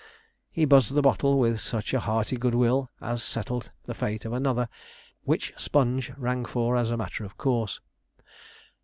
He buzzed the bottle with such a hearty good will as settled the fate of another, which Sponge rang for as a matter of course.